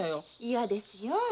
嫌ですよ